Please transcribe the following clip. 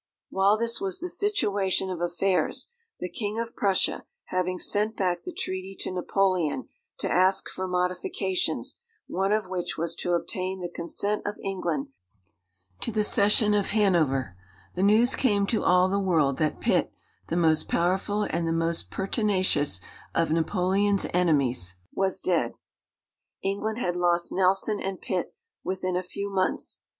While this was the situation of affairs, the King of Prussia, having sent back the treaty to Napoleon to ask for modifications, one of which was to obtain the consent of England to the cession of Hanover, the news came to all the world that Pitt, the most powerful and the most pertinacious of Napoleon's enemies, was dead. England had lost Nelson and Pitt within a few months.